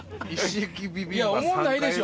おもんないでしょ！